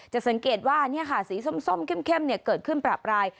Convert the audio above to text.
ดูเป็นเกตว่าสีซมเค็มเกิดขึ้นปลาบราย